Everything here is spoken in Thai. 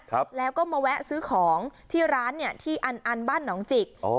ครับแล้วก็มาแวะซื้อของที่ร้านเนี้ยที่อันอันบ้านหนองจิกอ๋อ